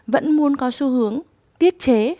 vẫn muốn có xu hướng tiết chế